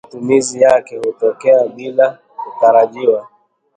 Matumizi yake hutokea bila kutarajiwa